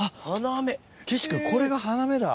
岸君これが花芽だ。